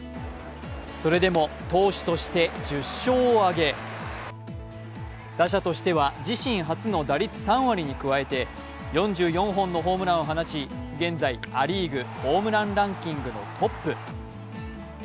それでも投手として１０勝を挙げ、打者としては自身初の打率３割に加えて４４本のホームランを放ち、現在ア・リーグホームランランキングのトップ。